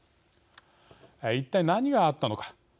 一体何があったのか。